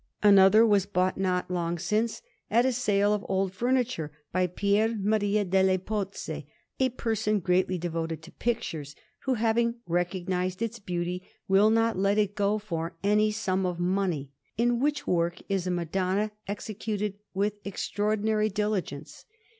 Another was bought not long since, at a sale of old furniture, by Pier Maria delle Pozze, a person greatly devoted to pictures, who, having recognized its beauty, will not let it go for any sum of money; in which work is a Madonna executed with extraordinary diligence.